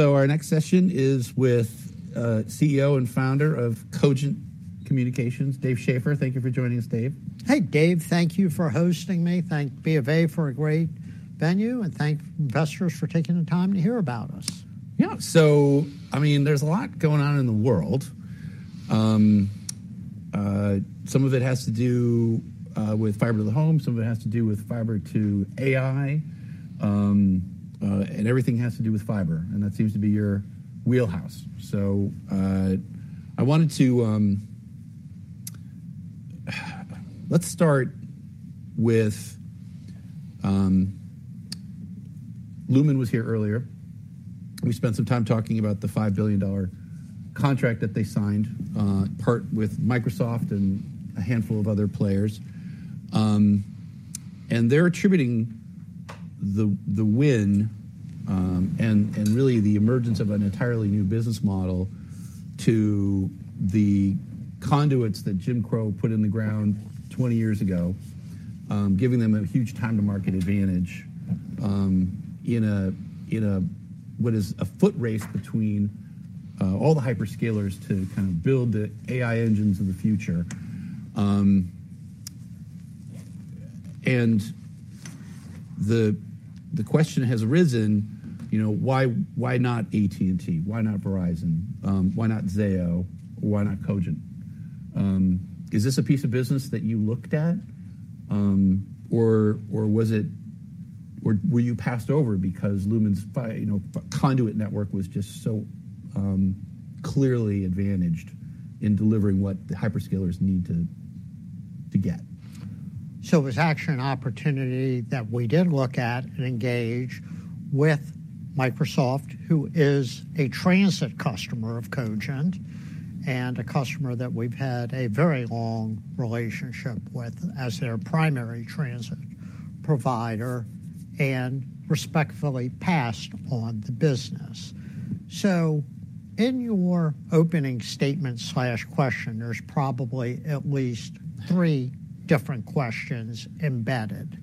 ...So our next session is with CEO and founder of Cogent Communications, Dave Schaeffer. Thank you for joining us, Dave. Hey, Dave, thank you for hosting me. Thank BofA for a great venue, and thank investors for taking the time to hear about us. Yeah, so I mean, there's a lot going on in the world. Some of it has to do with fiber to the home, some of it has to do with fiber to AI, and everything has to do with fiber, and that seems to be your wheelhouse, so I wanted to, let's start with, Lumen was here earlier. We spent some time talking about the $5 billion contract that they signed, part with Microsoft and a handful of other players. And they're attributing the win and really the emergence of an entirely new business model to the conduits that Jim Crowe put in the ground twenty years ago, giving them a huge time-to-market advantage in a what is a foot race between all the hyperscalers to kind of build the AI engines of the future. And the question has arisen, you know, why not AT&T? Why not Verizon? Why not Zayo? Why not Cogent? Is this a piece of business that you looked at, or was it or were you passed over because Lumen's fiber, you know, conduit network was just so clearly advantaged in delivering what the hyperscalers need to get? So it was actually an opportunity that we did look at and engage with Microsoft, who is a transit customer of Cogent and a customer that we've had a very long relationship with as their primary transit provider, and respectfully passed on the business. So in your opening statement/question, there's probably at least three different questions embedded.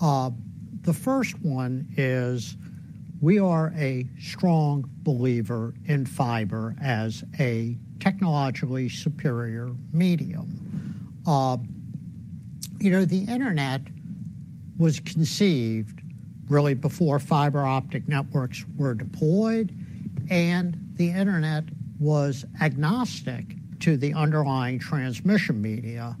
The first one is, we are a strong believer in fiber as a technologically superior medium. You know, the Internet was conceived really before fiber optic networks were deployed, and the Internet was agnostic to the underlying transmission media.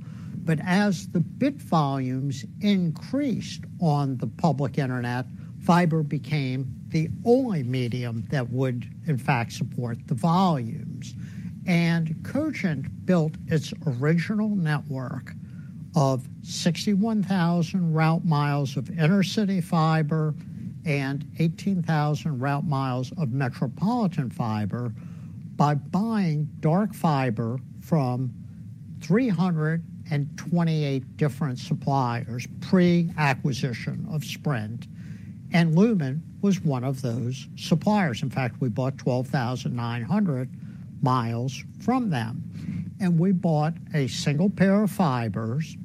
But as the bit volumes increased on the public Internet, fiber became the only medium that would, in fact, support the volumes. And Cogent built its original network of sixty-one thousand route miles of inter-city fiber and eighteen thousand route miles of metropolitan fiber by buying dark fiber from three hundred and twenty-eight different suppliers, pre-acquisition of Sprint, and Lumen was one of those suppliers. In fact, we bought twelve thousand nine hundred miles from them, and we bought a single pair of fibers.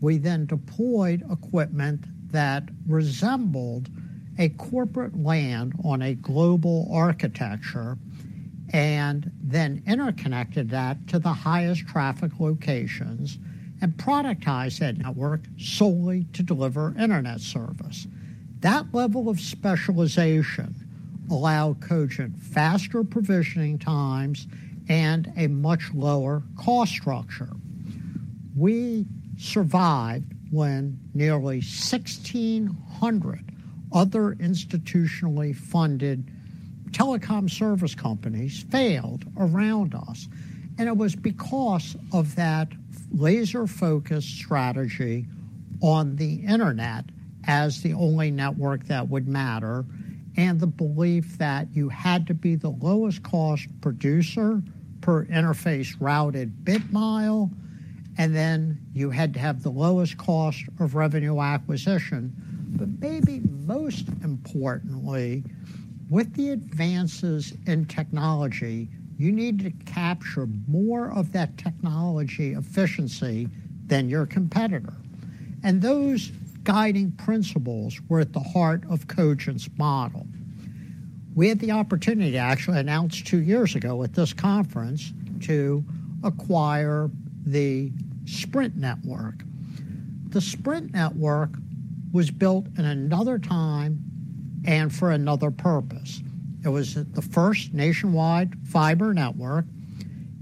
We then deployed equipment that resembled a corporate LAN on a global architecture, and then interconnected that to the highest traffic locations and productized that network solely to deliver internet service. That level of specialization allowed Cogent faster provisioning times and a much lower cost structure. We survived when nearly 1600 other institutionally funded telecom service companies failed around us, and it was because of that laser-focused strategy on the internet as the only network that would matter, and the belief that you had to be the lowest cost producer per interface routed bit mile, and then you had to have the lowest cost of revenue acquisition, but maybe most importantly, with the advances in technology, you need to capture more of that technology efficiency than your competitor, and those guiding principles were at the heart of Cogent's model. We had the opportunity to actually announce two years ago at this conference, to acquire the Sprint network. The Sprint network was built in another time and for another purpose. It was the first nationwide fiber network.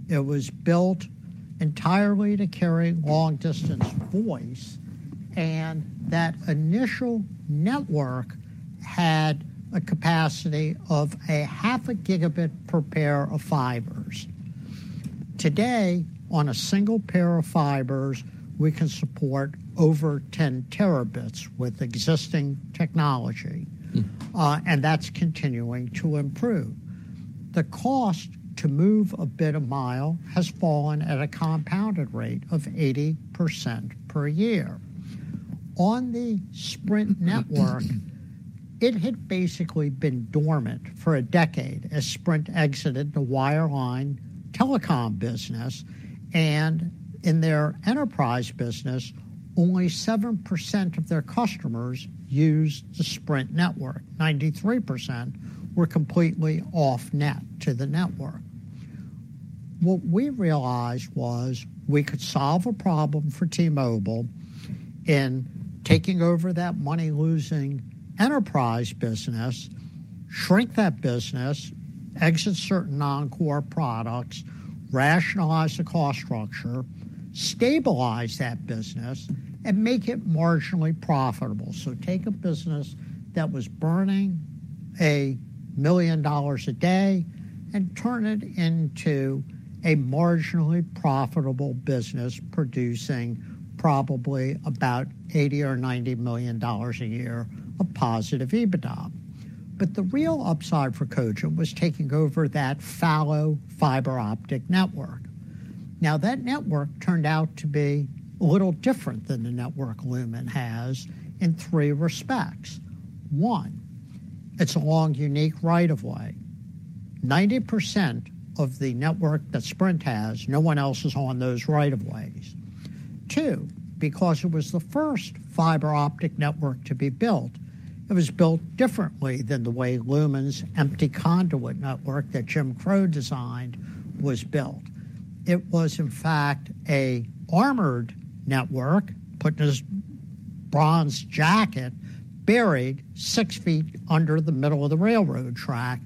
It was built entirely to carry long-distance voice, and that initial network had a capacity of half a gigabit per pair of fibers. Today, on a single pair of fibers, we can support over 10 terabits with existing technology, and that's continuing to improve. The cost to move a bit-mile has fallen at a compounded rate of 80% per year. On the Sprint network, it had basically been dormant for a decade as Sprint exited the wireline telecom business, and in their enterprise business, only 7% of their customers used the Sprint network. 93% were completely off-net to the network. What we realized was we could solve a problem for T-Mobile in taking over that money-losing enterprise business, shrink that business, exit certain non-core products, rationalize the cost structure, stabilize that business, and make it marginally profitable. Take a business that was burning $1 million a day and turn it into a marginally profitable business, producing probably about $80 million-$90 million a year of positive EBITDA. But the real upside for Cogent was taking over that fallow fiber optic network. Now, that network turned out to be a little different than the network Lumen has in three respects. One, it's a long, unique right of way. 90% of the network that Sprint has, no one else is on those right of ways. Two, because it was the first fiber optic network to be built, it was built differently than the way Lumen's empty conduit network that Jim Crowe designed was built. It was, in fact, an armored network, put in this bronze jacket, buried six feet under the middle of the railroad track,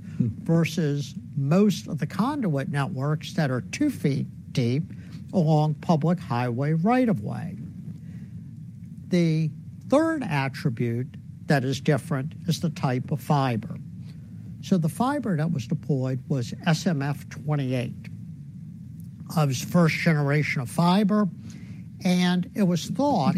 versus most of the conduit networks that are two feet deep along public highway right of way. The third attribute that is different is the type of fiber so the fiber that was deployed was SMF-28. It was first generation of fiber, and it was thought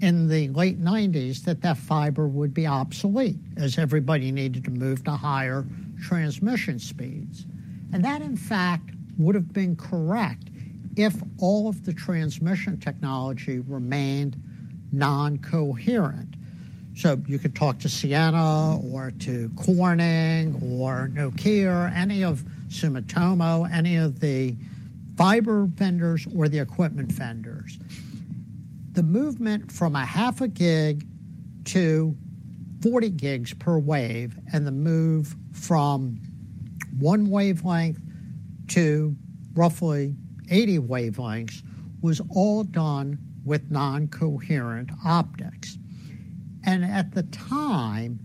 in the late 1990s that that fiber would be obsolete, as everybody needed to move to higher transmission speeds and that, in fact, would have been correct if all of the transmission technology remained non-coherent so you could talk to Ciena or to Corning or Nokia, any of Sumitomo, any of the fiber vendors or the equipment vendors. The movement from half a gig to 40 gigs per wave, and the move from one wavelength to roughly 80 wavelengths, was all done with non-coherent optics. At the time,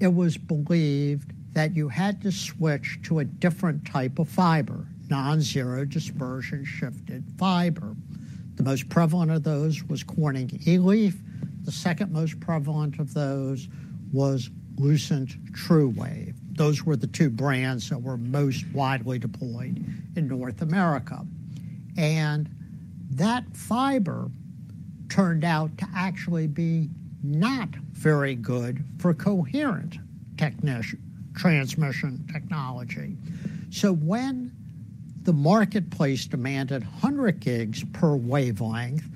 it was believed that you had to switch to a different type of fiber, non-zero dispersion shifted fiber. The most prevalent of those was Corning E-LEAF. The second most prevalent of those was Lucent TrueWave. Those were the two brands that were most widely deployed in North America, and that fiber turned out to actually be not very good for coherent transmission technology. When the marketplace demanded 100 gigs per wavelength,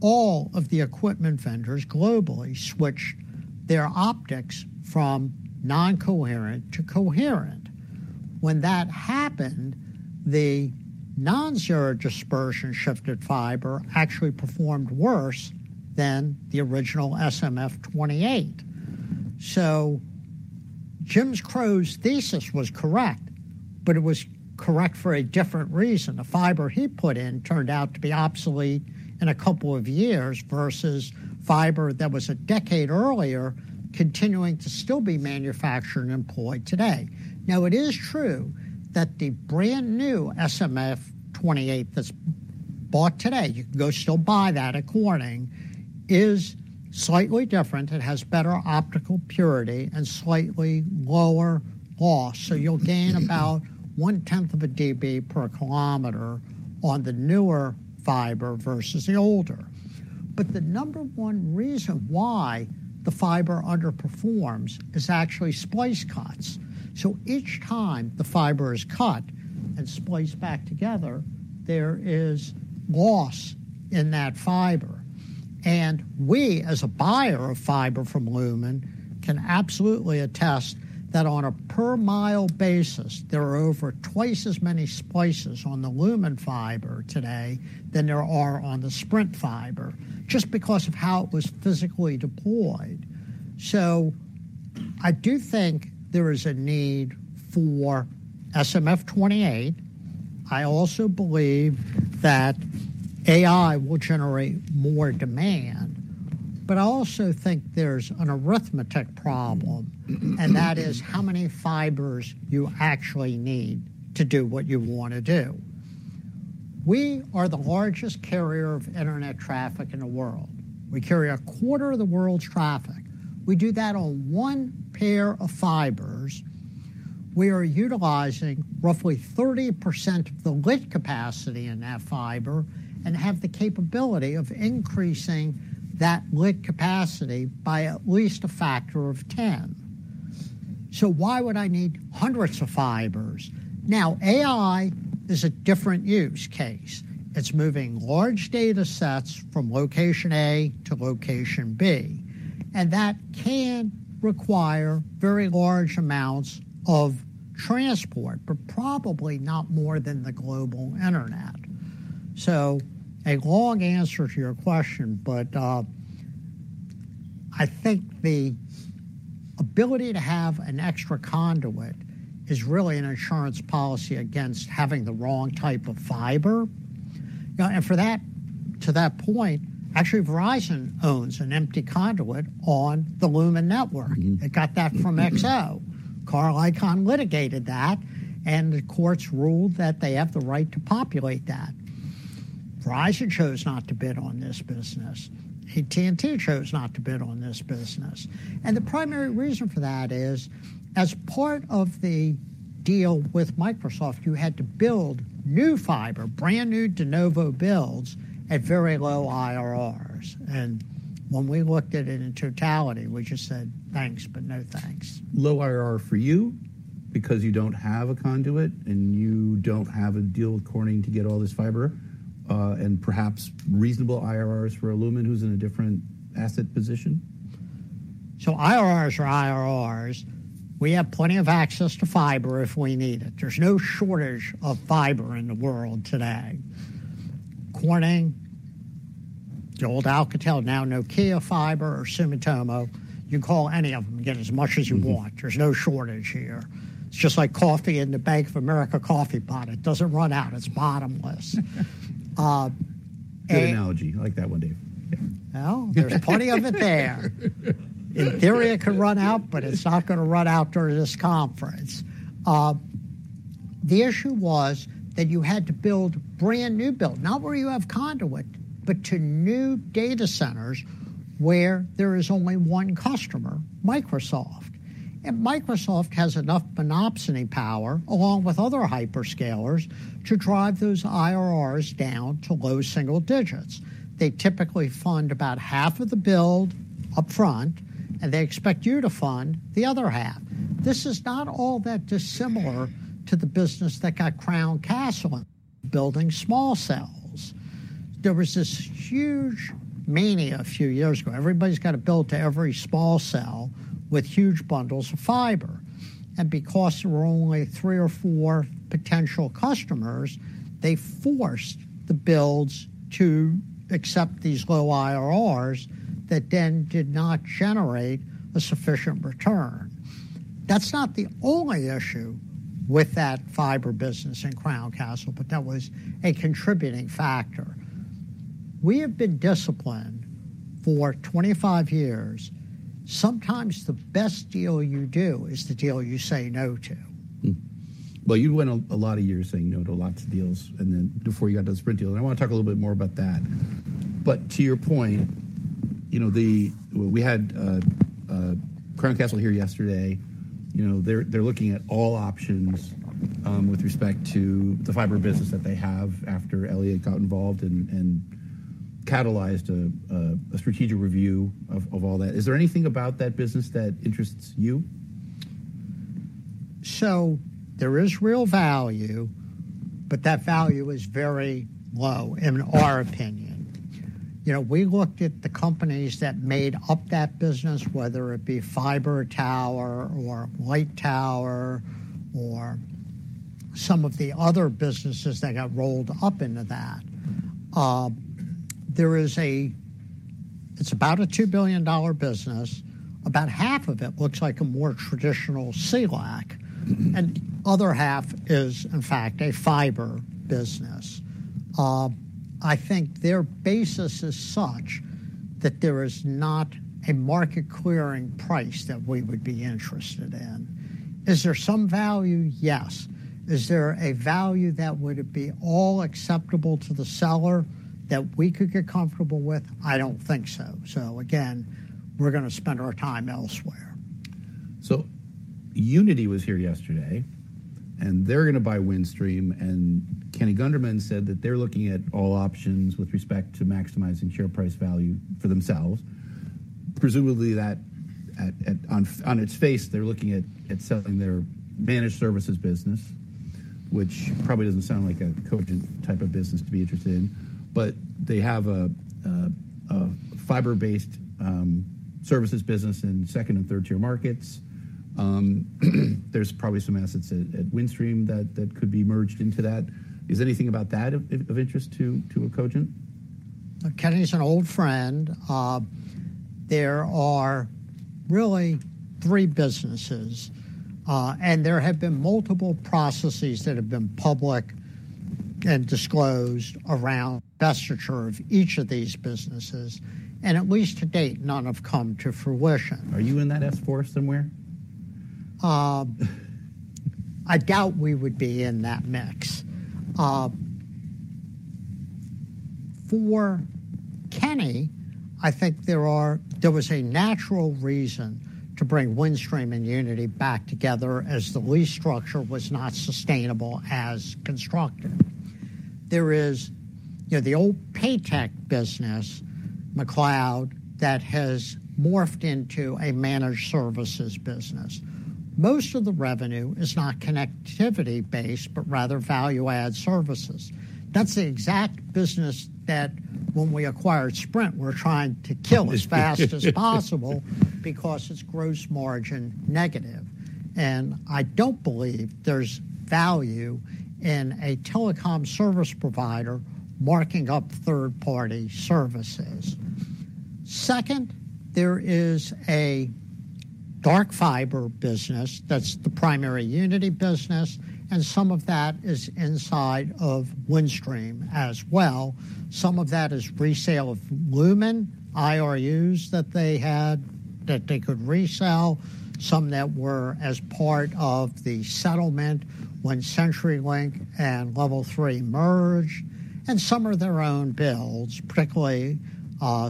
all of the equipment vendors globally switched their optics from non-coherent to coherent. When that happened, the non-zero dispersion shifted fiber actually performed worse than the original SMF-28. Jim Crowe's thesis was correct, but it was correct for a different reason. The fiber he put in turned out to be obsolete in a couple of years versus fiber that was a decade earlier, continuing to still be manufactured and employed today. Now, it is true that the brand-new SMF-28 that's bought today, you can go still buy that at Corning, is slightly different. It has better optical purity and slightly lower loss, so you'll gain about one-tenth of a dB per kilometer on the newer fiber versus the older. But the number one reason why the fiber underperforms is actually splice cuts. So each time the fiber is cut and spliced back together, there is loss in that fiber. We, as a buyer of fiber from Lumen, can absolutely attest that on a per mile basis, there are over twice as many splices on the Lumen fiber today than there are on the Sprint fiber, just because of how it was physically deployed. I do think there is a need for SMF-28. I also believe that AI will generate more demand, but I also think there's an arithmetic problem, and that is how many fibers you actually need to do what you want to do. We are the largest carrier of internet traffic in the world. We carry a quarter of the world's traffic. We do that on one pair of fibers. We are utilizing roughly 30% of the lit capacity in that fiber and have the capability of increasing that lit capacity by at least a factor of ten. So why would I need hundreds of fibers? Now, AI is a different use case. It's moving large data sets from location A to location B, and that can require very large amounts of transport, but probably not more than the global internet. So a long answer to your question, but, I think the ability to have an extra conduit is really an insurance policy against having the wrong type of fiber. You know, and for that, to that point, actually, Verizon owns an empty conduit on the Lumen network. Mm-hmm. It got that from XO. Carl Icahn litigated that, and the courts ruled that they have the right to populate that. Verizon chose not to bid on this business, and AT&T chose not to bid on this business, and the primary reason for that is, as part of the deal with Microsoft, you had to build new fiber, brand new de novo builds, at very low IRRs, and when we looked at it in totality, we just said, "Thanks, but no thanks. Low IRR for you because you don't have a conduit and you don't have a deal with Corning to get all this fiber, and perhaps reasonable IRRs for Lumen, who's in a different asset position? So IRRs are IRRs. We have plenty of access to fiber if we need it. There's no shortage of fiber in the world today. Corning, the old Alcatel, now Nokia Fiber or Sumitomo, you can call any of them and get as much as you want. Mm-hmm. There's no shortage here. It's just like coffee in the Bank of America coffee pot. It doesn't run out. It's bottomless. Good analogy. I like that one, Dave. Yeah. Well, there's plenty of it there. In theory, it could run out, but it's not gonna run out during this conference. The issue was that you had to build brand-new build, not where you have conduit, but to new data centers where there is only one customer, Microsoft. And Microsoft has enough monopsony power, along with other hyperscalers, to drive those IRRs down to low single digits. They typically fund about half of the build upfront, and they expect you to fund the other half. This is not all that dissimilar to the business that got Crown Castle in building small cells. There was this huge mania a few years ago. Everybody's got to build to every small cell with huge bundles of fiber, and because there were only three or four potential customers, they forced the builds to accept these low IRRs that then did not generate a sufficient return. That's not the only issue with that fiber business in Crown Castle, but that was a contributing factor. We have been disciplined for twenty-five years. Sometimes the best deal you do is the deal you say no to. Well, you went a lot of years saying no to lots of deals, and then before you got to the Sprint deal, and I want to talk a little bit more about that. But to your point, you know, we had Crown Castle here yesterday. You know, they're looking at all options with respect to the fiber business that they have after Elliott got involved and catalyzed a strategic review of all that. Is there anything about that business that interests you? So there is real value, but that value is very low, in our opinion. You know, we looked at the companies that made up that business, whether it be FiberTower or Lightower, or some of the other businesses that got rolled up into that. It's about a $2 billion business. About half of it looks like a more traditional CLEC- Mm-hmm. -and other half is, in fact, a fiber business. I think their basis is such that there is not a market-clearing price that we would be interested in. Is there some value? Yes. Is there a value that would be all acceptable to the seller that we could get comfortable with? I don't think so. So again, we're gonna spend our time elsewhere. Uniti was here yesterday, and they're gonna buy Windstream, and Kenny Gunderman said that they're looking at all options with respect to maximizing share price value for themselves. Presumably, that on its face, they're looking at selling their managed services business, which probably doesn't sound like a Cogent type of business to be interested in, but they have a fiber-based services business in second- and third-tier markets. There's probably some assets at Windstream that could be merged into that. Is there anything about that of interest to a Cogent? Kenny is an old friend. There are really three businesses, and there have been multiple processes that have been public and disclosed around divestiture of each of these businesses, and at least to date, none have come to fruition. Are you in that F-4 somewhere? I doubt we would be in that mix. For Kenny, I think there was a natural reason to bring Windstream and Uniti back together, as the lease structure was not sustainable as constructed. There is, you know, the old PAETEC business, McLeod, that has morphed into a managed services business. Most of the revenue is not connectivity-based, but rather value-add services. That's the exact business that, when we acquired Sprint, we were trying to kill as fast as possible because it's gross margin negative and I don't believe there's value in a telecom service provider marking up third-party services. Second, there is a dark fiber business that's the primary Uniti business, and some of that is inside of Windstream as well. Some of that is resale of Lumen, IRUs that they had, that they could resell, some that were as part of the settlement when CenturyLink and Level 3 merged, and some are their own builds, particularly,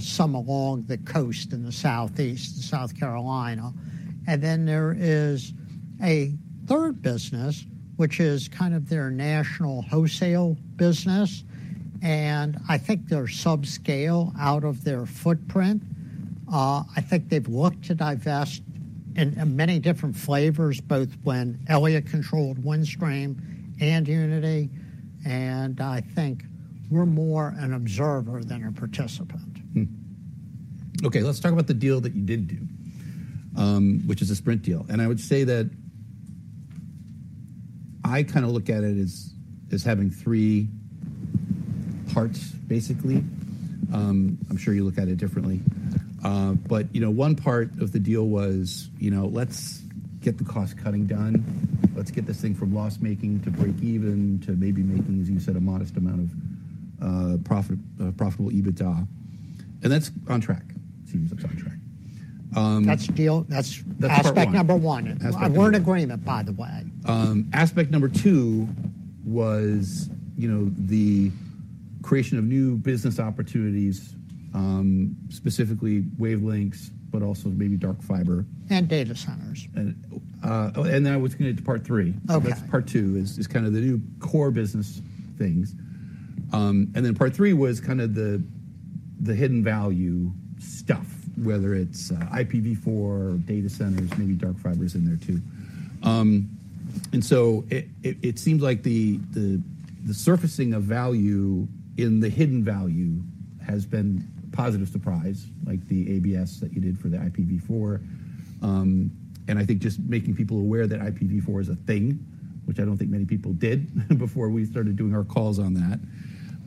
some along the coast in the southeast, South Carolina. And then there is a third business, which is kind of their national wholesale business, and I think they're subscale out of their footprint. I think they've looked to divest in many different flavors, both when Elliott controlled Windstream and Uniti, and I think we're more an observer than a participant. Okay, let's talk about the deal that you did do, which is a Sprint deal. And I would say that I kind of look at it as having three parts, basically. I'm sure you look at it differently. But you know, one part of the deal was, you know, let's get the cost cutting done. Let's get this thing from loss-making to breakeven to maybe making, as you said, a modest amount of profit, profitable EBITDA. And that's on track. Seems that's on track. That's deal, that's- That's part one. Aspect number one. Aspect number- I learned agreement, by the way. Aspect number two was, you know, the creation of new business opportunities, specifically wavelengths, but also maybe dark fiber. Data centers. And then I was gonna get to part three. Okay. That's part two is kind of the new core business things. And then part three was kind of the hidden value stuff, whether it's IPv4 or data centers, maybe dark fiber is in there, too. And so it seems like the surfacing of value in the hidden value has been a positive surprise, like the ABS that you did for the IPv4. And I think just making people aware that IPv4 is a thing, which I don't think many people did before we started doing our calls on that.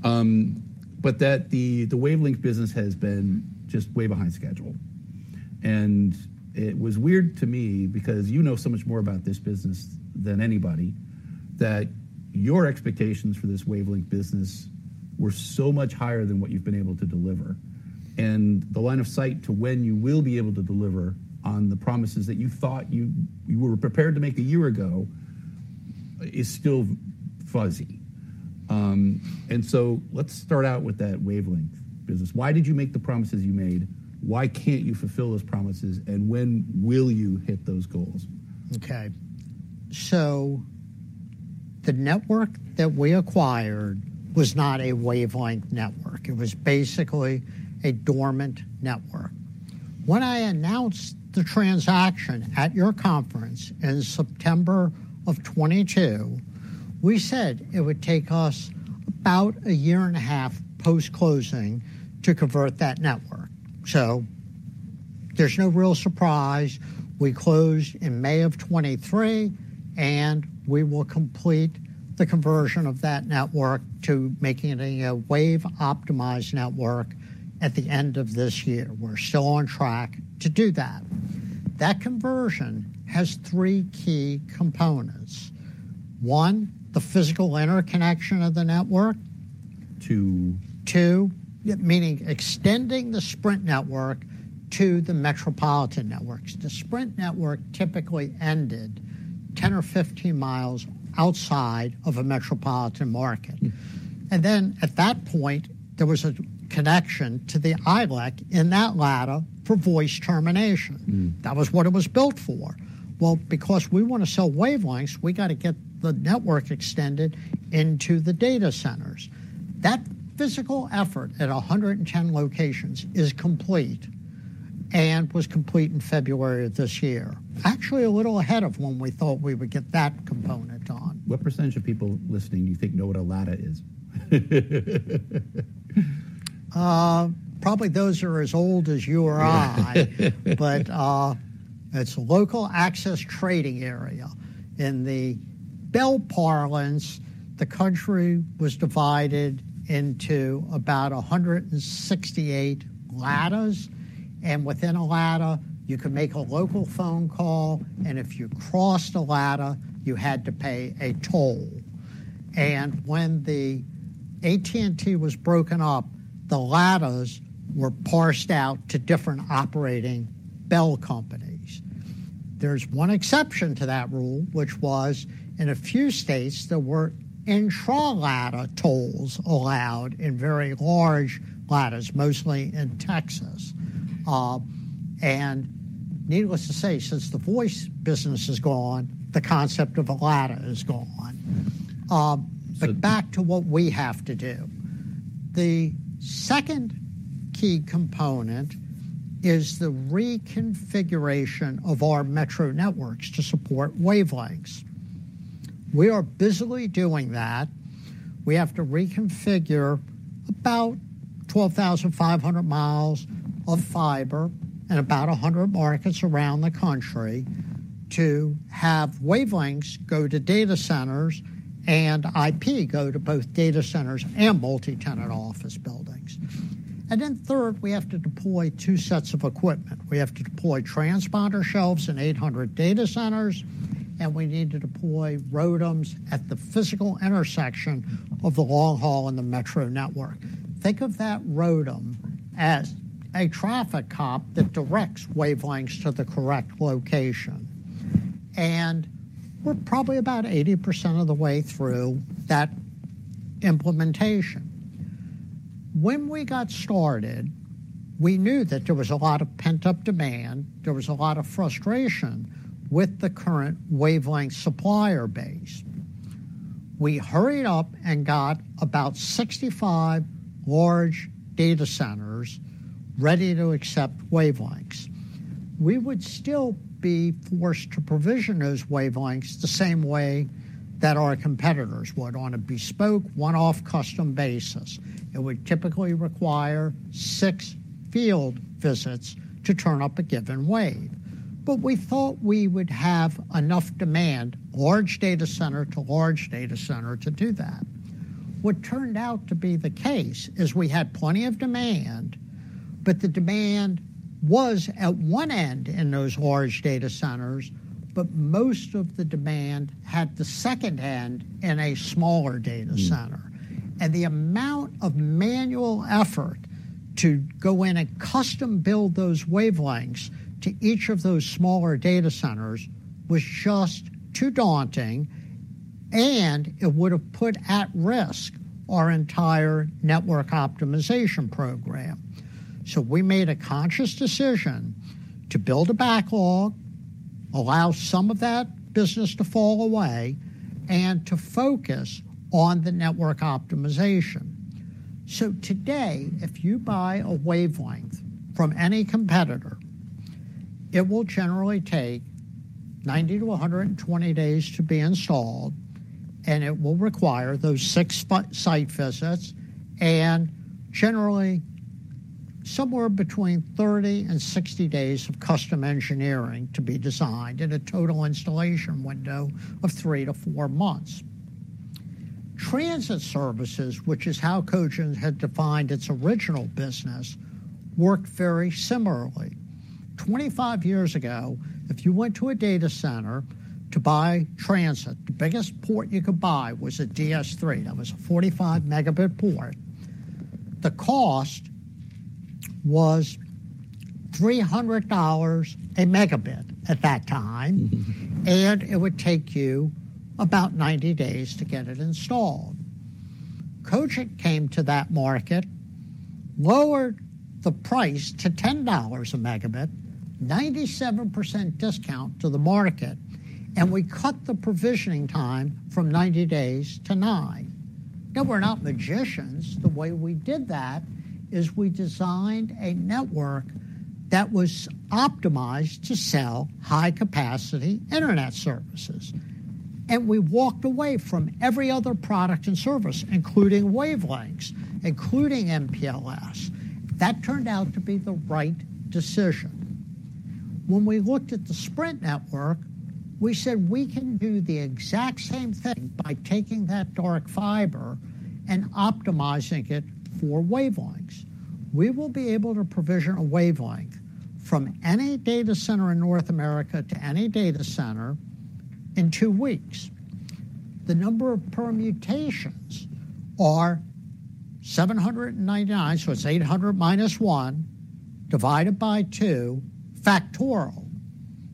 But that the wavelength business has been just way behind schedule. And it was weird to me because you know so much more about this business than anybody, that your expectations for this wavelength business were so much higher than what you've been able to deliver. The line of sight to when you will be able to deliver on the promises that you thought you were prepared to make a year ago is still fuzzy. Let's start out with that wavelength business. Why did you make the promises you made? Why can't you fulfill those promises, and when will you hit those goals? Okay. So the network that we acquired was not a wavelength network. It was basically a dormant network. When I announced the transaction at your conference in September of 2022, we said it would take us about a year and a half post-closing to convert that network. So there's no real surprise we closed in May of 2023, and we will complete the conversion of that network to making it a wave-optimized network at the end of this year. We're still on track to do that. That conversion has three key components: one, the physical interconnection of the network. Two... Two, meaning extending the Sprint network to the metropolitan networks. The Sprint network typically ended 10 or 15 miles outside of a metropolitan market. Mm. And then, at that point, there was a connection to the ILEC in that LATA for voice termination. Mm. That was what it was built for. Well, because we want to sell wavelengths, we got to get the network extended into the data centers. That physical effort at 110 locations is complete and was complete in February of this year. Actually, a little ahead of when we thought we would get that component on. What percentage of people listening, you think, know what a LATA is? Probably those who are as old as you or I, but it's Local Access Transport Area. In the Bell parlance, the country was divided into about a hundred and sixty-eight LATAs, and within a LATA, you could make a local phone call, and if you crossed a LATA, you had to pay a toll. And when the AT&T was broken up, the LATAs were parsed out to different operating Bell companies. There's one exception to that rule, which was, in a few states, there were intra-LATA tolls allowed in very large LATAs, mostly in Texas, and needless to say, since the voice business is gone, the concept of a LATA is gone. But- Back to what we have to do. The second key component is the reconfiguration of our metro networks to support wavelengths. We are busily doing that. We have to reconfigure about 12,500 miles of fiber and about 100 markets around the country to have wavelengths go to data centers and IP go to both data centers and multi-tenant office buildings. Then third, we have to deploy two sets of equipment. We have to deploy transponder shelves in 800 data centers, and we need to deploy ROADMs at the physical intersection of the long haul and the metro network. Think of that ROADM as a traffic cop that directs wavelengths to the correct location, and we're probably about 80% of the way through that implementation. When we got started, we knew that there was a lot of pent-up demand. There was a lot of frustration with the current wavelength supplier base. We hurried up and got about 65 large data centers ready to accept wavelengths. We would still be forced to provision those wavelengths the same way that our competitors would on a bespoke, one-off custom basis. It would typically require six field visits to turn up a given wave. But we thought we would have enough demand, large data center to large data center, to do that. What turned out to be the case is we had plenty of demand, but the demand was at one end in those large data centers, but most of the demand had the second end in a smaller data center.Y Mm. The amount of manual effort to go in and custom-build those wavelengths to each of those smaller data centers was just too daunting, and it would have put at risk our entire network optimization program. We made a conscious decision to build a backlog, allow some of that business to fall away, and to focus on the network optimization. Today, if you buy a wavelength from any competitor, it will generally take 90-120 days to be installed, and it will require those six full site visits and generally somewhere between 30 and 60 days of custom engineering to be designed at a total installation window of 3-4 months. Transit services, which is how Cogent had defined its original business, worked very similarly. Twenty-five years ago, if you went to a data center to buy transit, the biggest port you could buy was a DS3. That was a 45 megabit port. The cost was $300 a megabit at that time. Mm-hmm. It would take you about 90 days to get it installed. Cogent came to that market, lowered the price to $10 a megabit, 97% discount to the market, and we cut the provisioning time from 90 days to nine. No, we're not magicians. The way we did that is we designed a network that was optimized to sell high-capacity internet services, and we walked away from every other product and service, including wavelengths, including MPLS. That turned out to be the right decision. When we looked at the Sprint network, we said we can do the exact same thing by taking that dark fiber and optimizing it for wavelengths. We will be able to provision a wavelength from any data center in North America to any data center in two weeks. The number of permutations are seven hundred and ninety-nine, so it's eight hundred minus one, divided by two, factorial.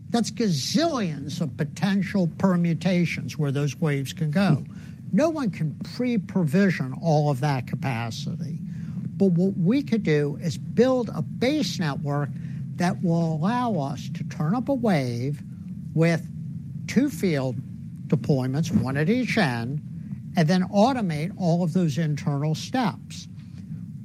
That's gazillions of potential permutations where those waves can go. Mm. No one can pre-provision all of that capacity, but what we could do is build a base network that will allow us to turn up a wave with two field deployments, one at each end, and then automate all of those internal steps.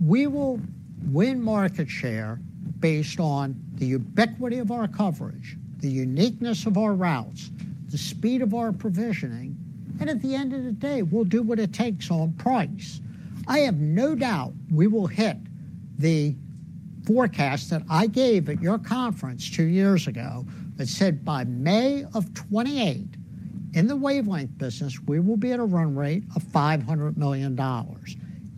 We will win market share based on the ubiquity of our coverage, the uniqueness of our routes, the speed of our provisioning, and at the end of the day, we'll do what it takes on price. I have no doubt we will hit the forecast that I gave at your conference two years ago that said, by May of 2028, in the wavelength business, we will be at a run rate of $500 million.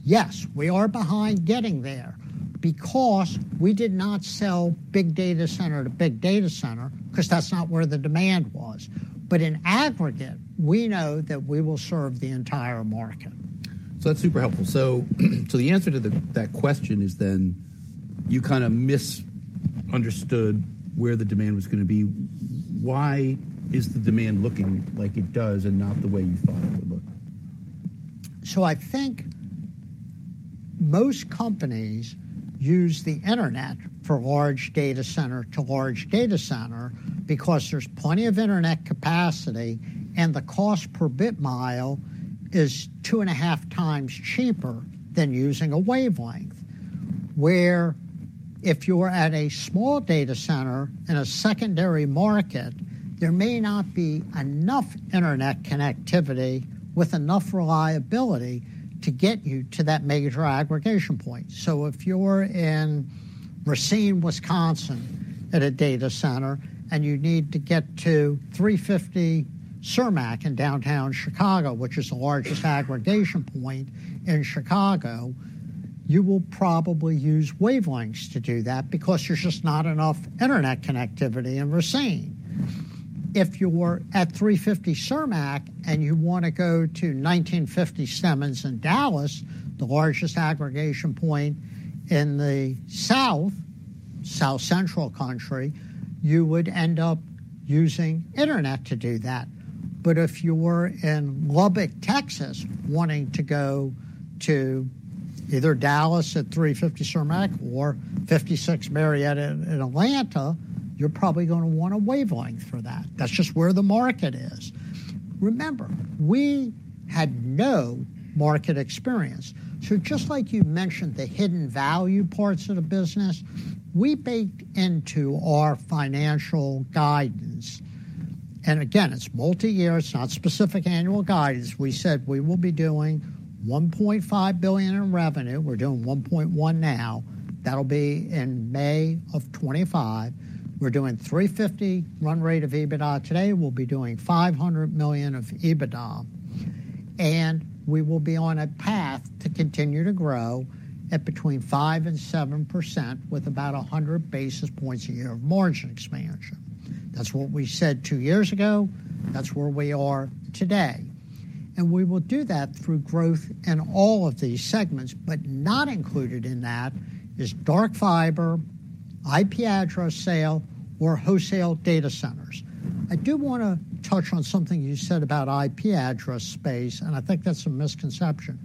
Yes, we are behind getting there because we did not sell big data center to big data center, 'cause that's not where the demand was. But in aggregate, we know that we will serve the entire market. That's super helpful. The answer to that question is then, you kinda misunderstood where the demand was gonna be. Why is the demand looking like it does and not the way you thought it would look? So I think most companies use the internet for large data center to large data center because there's plenty of internet capacity, and the cost per bit mile is two and a half times cheaper than using a wavelength, where if you're at a small data center in a secondary market, there may not be enough internet connectivity with enough reliability to get you to that mega aggregation point. So if you're in Racine, Wisconsin, at a data center, and you need to get to 350 East Cermak in downtown Chicago, which is the largest aggregation point in Chicago, you will probably use wavelengths to do that because there's just not enough internet connectivity in Racine. If you were at 350 Cermak and you want to go to 1950 Stemmons in Dallas, the largest aggregation point in the south, south central country, you would end up using internet to do that. But if you were in Lubbock, Texas, wanting to go to either Dallas at 350 Cermak or 56 Marietta in Atlanta, you're probably gonna want a wavelength for that. That's just where the market is. Remember, we had no market experience. So just like you mentioned, the hidden value parts of the business, we baked into our financial guidance. And again, it's multi-year. It's not specific annual guidance. We said we will be doing $1.5 billion in revenue. We're doing $1.1 billion now. That'll be in May of 2025. We're doing $350 million run rate of EBITDA. Today, we'll be doing $500 million of EBITDA, and we will be on a path to continue to grow at between 5% and 7%, with about 100 basis points a year of margin expansion. That's what we said two years ago. That's where we are today, and we will do that through growth in all of these segments. But not included in that is dark fiber, IP address sale, or wholesale data centers. I do want to touch on something you said about IP address space, and I think that's a misconception.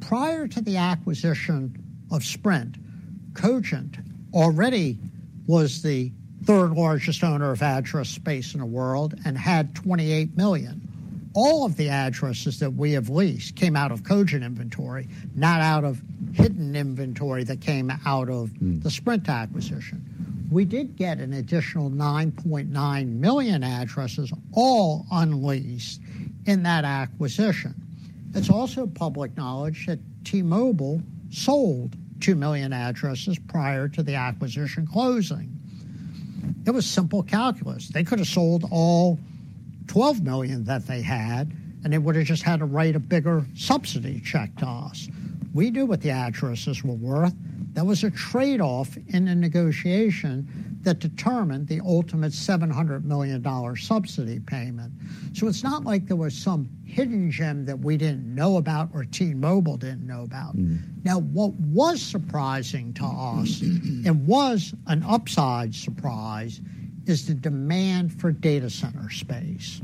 Prior to the acquisition of Sprint, Cogent already was the third largest owner of address space in the world and had 28 million. All of the addresses that we have leased came out of Cogent inventory, not out of hidden inventory that came out of the Sprint acquisition. We did get an additional 9.9 million addresses, all unleased in that acquisition. It's also public knowledge that T-Mobile sold 2 million addresses prior to the acquisition closing. It was simple calculus. They could have sold all 12 million that they had, and they would've just had to write a bigger subsidy check to us. We knew what the addresses were worth. There was a trade-off in the negotiation that determined the ultimate $700 million subsidy payment, so it's not like there was some hidden gem that we didn't know about or T-Mobile didn't know about. Mm. Now, what was surprising to us and was an upside surprise is the demand for data center space.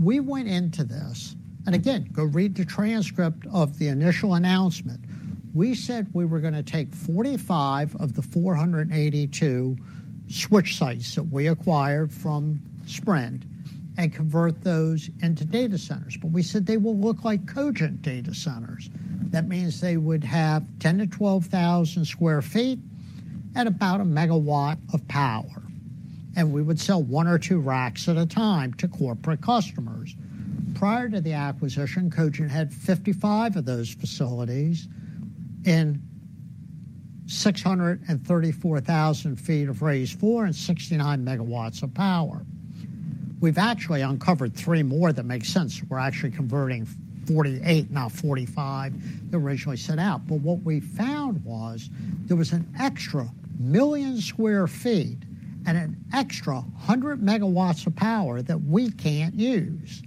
We went into this... and again, go read the transcript of the initial announcement. We said we were gonna take 45 of the 482 switch sites that we acquired from Sprint and convert those into data centers, but we said they will look like Cogent data centers. That means they would have 10,000-12,000 square feet at about a megawatt of power, and we would sell one or two racks at a time to corporate customers. Prior to the acquisition, Cogent had 55 of those facilities and 634,000 square feet of raised floor and 69 megawatts of power. We've actually uncovered three more that make sense. We're actually converting 48, now 45, than originally set out. But what we found was there was an extra million sq ft and an extra 100 megawatts of power that we can't use.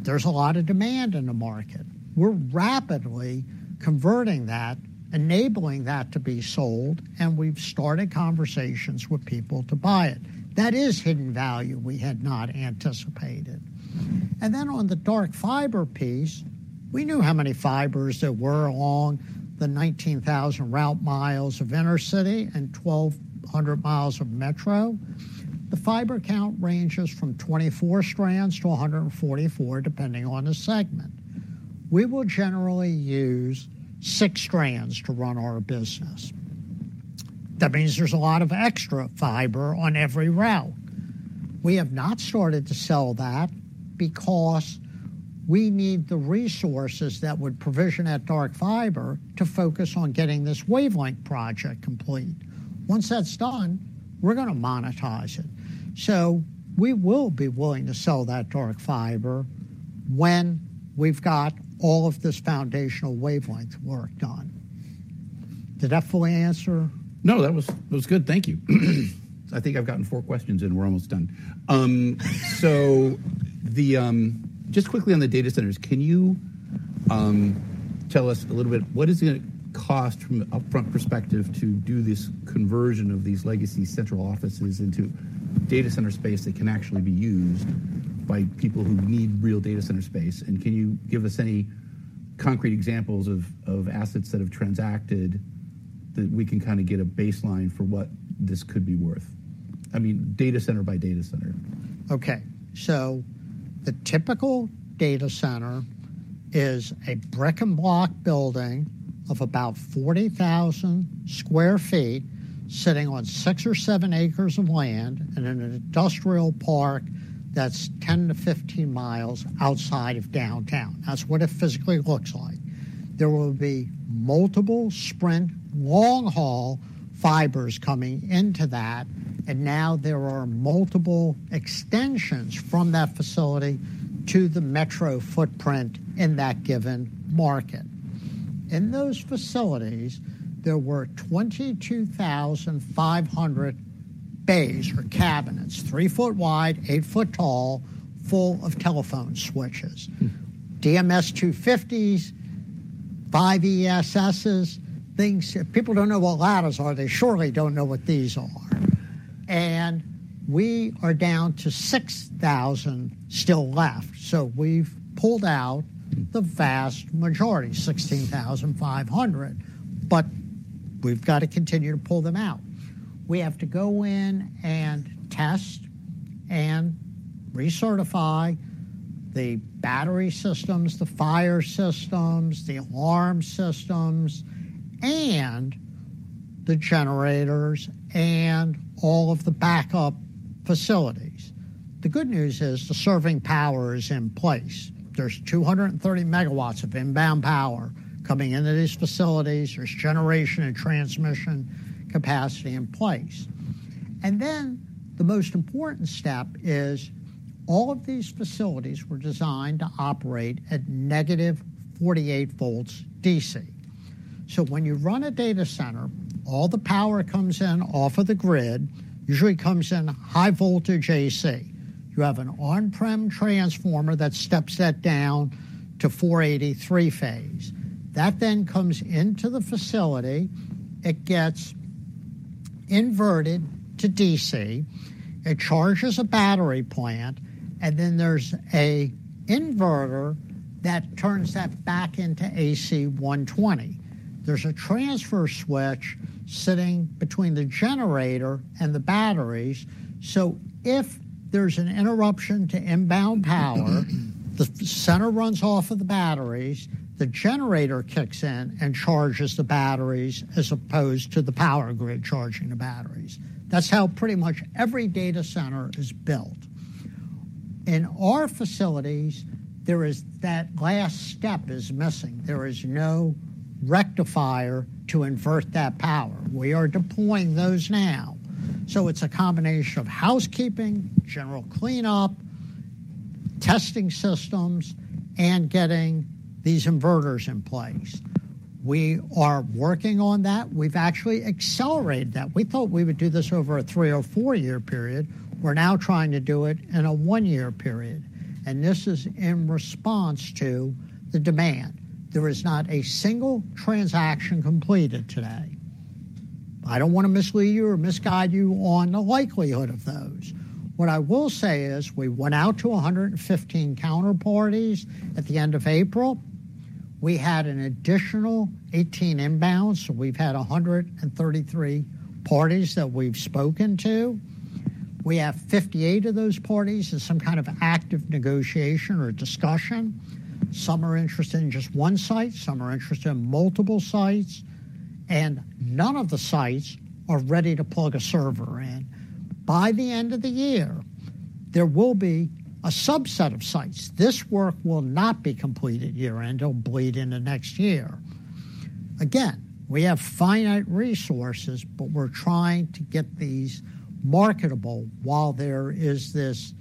There's a lot of demand in the market. We're rapidly converting that, enabling that to be sold, and we've started conversations with people to buy it. That is hidden value we had not anticipated. And then on the dark fiber piece, we knew how many fibers there were along the 19,000 route miles of intercity and 1,200 miles of metro. The fiber count ranges from 24 strands to 144, depending on the segment. We will generally use 6 strands to run our business. That means there's a lot of extra fiber on every route. We have not started to sell that because we need the resources that would provision that dark fiber to focus on getting this wavelength project complete. Once that's done, we're gonna monetize it, so we will be willing to sell that dark fiber when we've got all of this foundational wavelength work done. Did that fully answer? No, that was, that was good. Thank you. I think I've gotten four questions, and we're almost done. So, just quickly on the data centers, can you tell us a little bit, what is it gonna cost from an upfront perspective to do this conversion of these legacy central offices into data center space that can actually be used by people who need real data center space? And can you give us any concrete examples of assets that have transacted that we can kind of get a baseline for what this could be worth? I mean, data center by data center? Okay, so the typical data center is a brick-and-block building of about 40,000 sq ft, sitting on six or seven acres of land in an industrial park that's 10-15 miles outside of downtown. That's what it physically looks like. There will be multiple Sprint long-haul fibers coming into that, and now there are multiple extensions from that facility to the metro footprint in that given market. In those facilities, there were 22,500 bays or cabinets, 3-foot wide, 8-foot tall, full of telephone switches. Mm-hmm. DMS-250s, 5ESSs, things. If people don't know what LATAs are, they surely don't know what these are. We are down to 6,000 still left, so we've pulled out the vast majority, 16,500, but we've got to continue to pull them out. We have to go in and test and recertify the battery systems, the fire systems, the alarm systems, and the generators, and all of the backup facilities. The good news is, the serving power is in place. There's 230 megawatts of inbound power coming into these facilities. There's generation and transmission capacity in place. The most important step is, all of these facilities were designed to operate at negative 48 volts DC. When you run a data center, all the power comes in off of the grid. Usually, it comes in high voltage AC. You have an on-prem transformer that steps that down to 480 three-phase. That then comes into the facility, it gets inverted to DC, it charges a battery plant, and then there's an inverter that turns that back into AC 120. There's a transfer switch sitting between the generator and the batteries, so if there's an interruption to inbound power, the center runs off of the batteries, the generator kicks in and charges the batteries, as opposed to the power grid charging the batteries. That's how pretty much every data center is built. In our facilities, there is... That last step is missing. There is no rectifier to invert that power. We are deploying those now. So it's a combination of housekeeping, general cleanup, testing systems, and getting these inverters in place. We are working on that. We've actually accelerated that. We thought we would do this over a three- or four-year period. We're now trying to do it in a one-year period, and this is in response to the demand. There is not a single transaction completed today. I don't want to mislead you or misguide you on the likelihood of those. What I will say is, we went out to 115 counterparties at the end of April. We had an additional 18 inbounds, so we've had 133 parties that we've spoken to. We have 58 of those parties in some kind of active negotiation or discussion. Some are interested in just one site, some are interested in multiple sites, and none of the sites are ready to plug a server in. By the end of the year, there will be a subset of sites. This work will not be completed year-end. It'll bleed into next year. Again, we have finite resources, but we're trying to get these marketable while there is this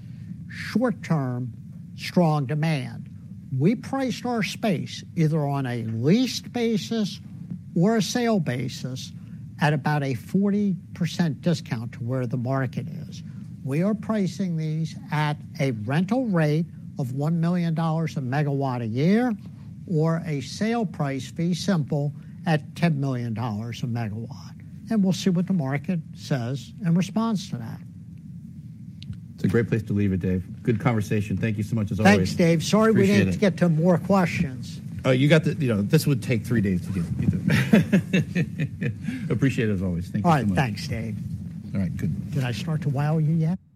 short-term, strong demand. We priced our space either on a leased basis or a sale basis at about a 40% discount to where the market is. We are pricing these at a rental rate of $1 million a megawatt a year or a sale price, be simple, at $10 million a megawatt, and we'll see what the market says in response to that. It's a great place to leave it, Dave. Good conversation. Thank you so much as always. Thanks, Dave. Appreciate it. Sorry we didn't get to more questions. Oh, you got the... You know, this would take three days to do. Appreciate it, as always. Thank you so much. All right. Thanks, Dave. All right, good. Did I start to wow you yet?